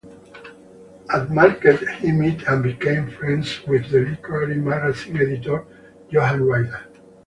At Marquette, he met and became friends with the literary magazine editor, Joanne Ryder.